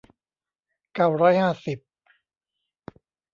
เก้าร้อยห้าสิบ